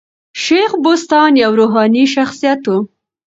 شېخ بُستان یو روحاني شخصیت وو.